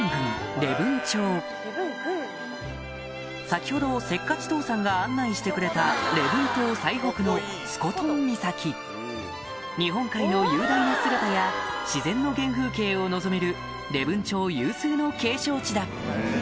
先ほどせっかち父さんが案内してくれた礼文島最北の日本海の雄大な姿や自然の原風景を望める礼文町有数の景勝地だ